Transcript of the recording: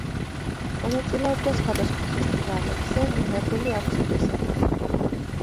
მონაწილეობდა სხვადასხვა ფესტივალებზე მიღებული აქვს პრიზები.